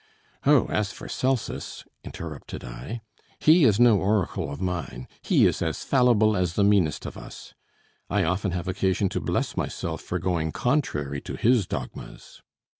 "Oh, as for Celsus," interrupted I, "he is no oracle of mine; he is as fallible as the meanest of us; I often have occasion to bless myself for going contrary to his dogmas."